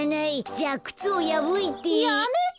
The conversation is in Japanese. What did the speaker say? じゃあくつをやぶいて。